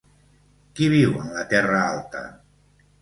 Qui viu en la Terra alta?